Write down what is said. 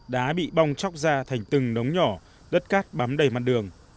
đá bị bong tróc ra thành từng nống nhỏ đất cát bám đầy mặt đường